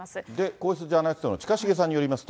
皇室ジャーナリストの近重さんによりますと。